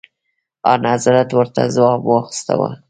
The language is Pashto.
انحضرت ورته ځواب واستوه.